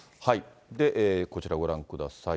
こちらご覧ください。